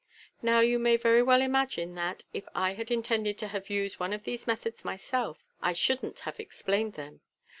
" Now, you may very well imagine that, if I had intended to have used any of these methods myself, I shouldn't have explained them.